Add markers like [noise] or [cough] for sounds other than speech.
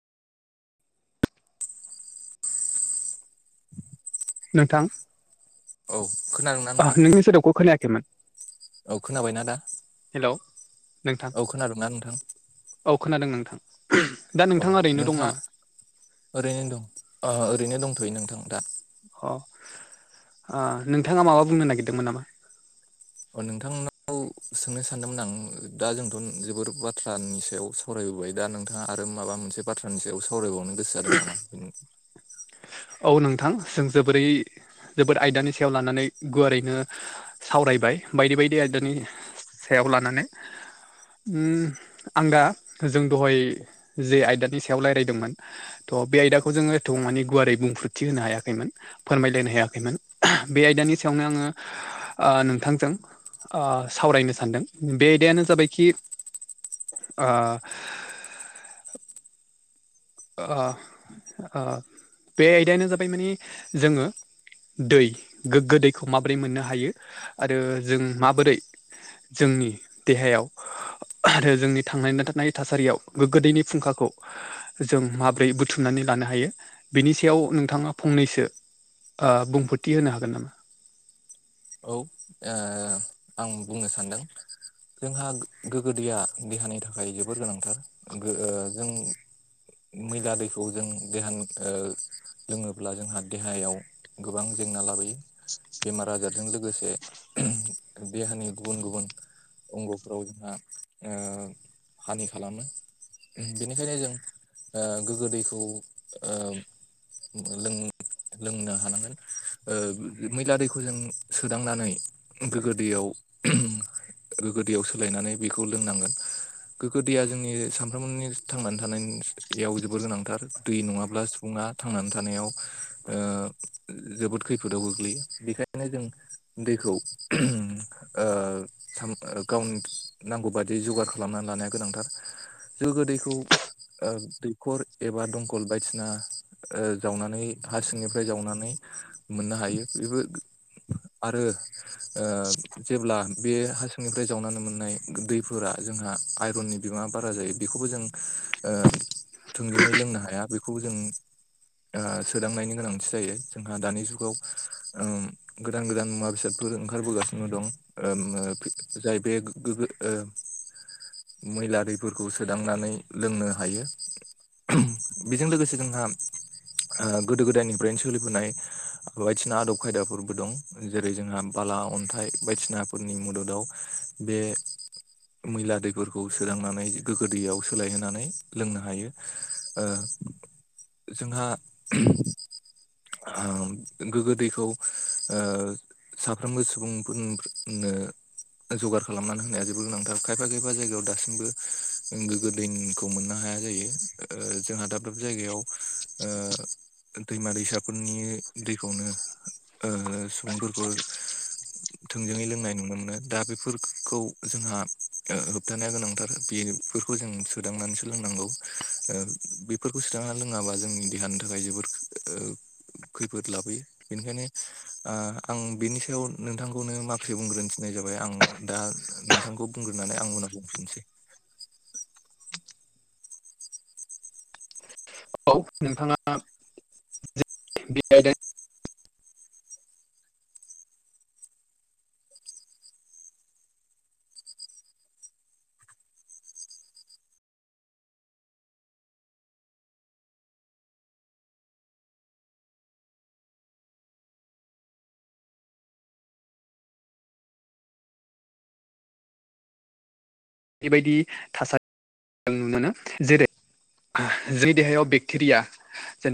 नोंथां औ खोनादोंना ओ नोंथां नोंनि सोदाबखौ खोनायाखैमोन औ खोनाबायना दा हेलौ नोंथां औ खोनादोंना नोंथां औ खोनादों नोंथां दा अ नोंथाङा ओरैनो दं नोंथाङ नामा ओरैनो दं ओरैनो दंथ'यो नोंथां दा अ नोंथाङा माबा बुंनो नागिरदोंमोन नामा अ नोंथांनाव सोंनो सानदोंमोन आं दा जोंथ' जोबोर बाथ्रानि सायाव स फरायबोबाय दा नोंथाङा आरो माबा मोनसे बाथ्रानि सायाव सावरायबावनो गोसो जादों नामा औ नोंथां जों जोबोरै जोबोर आयदानि सायाव लानानै गुवारैनो सावरायबाय बायदि बायदि आयदानि सायाव लानानै आं दा जों दहाय जे आयदानि सायाव रायज्लायदोंमोन थह बे आयदाखौ जोङो एथ' मान गुवारै बुंफ्रुथि होनो हायाखैमोन फोरमायलायनो हायाखैमोन बे आयदानि सायावनो आङो नोंथांजों सावरायनो सानदों बे आयदायानो जाबायखि अ बे आयदायानो जाबाय मानिे जोङो दै गोग्गो दैखौ माबोरै मोननो हायो आरो जों माबोरै जोंनि देहायाव आरो जोंनि थांनाय न थानाय थासारियाव गो गोदैनि फुंखाखौ जों माब्रै बुथुमनानै लानो हायो बिनि सायाव नोंथाङा फंनैसो बुंफोरथि होनो हागोन नामा औ आं बुंनो सानदों जोंहा गोगो दैैया देहानि थाखाय जोबोर गोनांथार जों मैला दैखौ जों देहान लोङोब्ला जोंहा देहायाव गोबां जेंना लाबोयो [inaudible] बेमार आजारजों लोगोसे देहानि गुबुन गुबुन अंग'फोराव जोंहा हानि खालामो बेनिखायनो जों गोगो दैखौ ल लोंनो हानांगोन मैला दैखौ जों सोदांनानै गो्गो दैयाव गो गोगोदैयाव सोलायनानै बेखौ लोंनांगोन गोग्गो दैया जोंनि सानफ्रोमबोनि थांनानै थानायनिाव जोबोर गोनांथार दै नङाब्ला सुबुङा थांनानै थानायाव जोबोद खैफोदाव गोग्लैयो बेखायनो जों दैखौ गावनि नांगौ बादि जगार खालामनानै लानाया गोनांथार जों गोदैखौ दैखर एबा दंखल बायदिसिना जावनानै हा सिंनिफ्राय जावनानै मोननो हायो बेबो आरो जेब्ला बे फुंनिफ्राय जावनानै मोननाय दैफोरा जोंहा आइरननि बिबाङा बारा जायो बेखौबो जों थोंजोङै लोंनो हाया बेखौ जों सोदांनायनि गोनांथि जायो जोंहा दानि जुगाव गोदान गोदान मुवा बेसादफोर ओंखारबोगासिनो दं जाय बे गोगो मैला दैफोरखौ सोदांनानै लोंनो हायो बेजों लोगोसे जोंहा गोदो गोदायनिफ्रायनो सोलिबोनाय बायदिसिना आदब खायदाफोरबो दं जेरै जोंहा बाला अन्थाइ बायदिसिनाफोरनि मददाव बे मैला दैफोरखौ सदांनानै गोग्गो दैयाव सोलायहोनानै लोंनो हायो [inaudible] जोंहा गोग्गो दैखौ साफ्रोमबो सुबुंफोरनो जगार खालामनानै होनाया जोबोर गोनांथार खायफा खायफा जायगायाव दासिमबो गोग्गो दैखौ मोननो हाया जायो जोंहा दाब दाब जायगायाव दैमा दैसाफोरनि दैखौनो ओ सुबुंफोरखौ थोंजोङै लोंनाय नुनो मोनो दा बेफोरखौ जोंहा होबथानाया गोनांथार बे फोरफोरखौ जों सोदांनानैसो लोंनांगौ बेफोरखौ सोदांनानै लोङाबा जोंनि देहानि थाखाय जोबोद खैफोद लाबोयो बेनिखायनो आं बेनि सायाव नोंथांखौनो माखासे बुंग्रोन थनाय जाबाय आं दा नोंथांखौ बुंग्रोनानै आं उ होनना बुंफिनसै औ नोंथाङा बेदों [unintelligible] बेबायदि थासारि जों नुनो मोनो जेरै जोंनि देहायाव बेक्टेरिया जेन